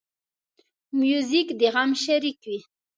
موزیک د غم شریک وي.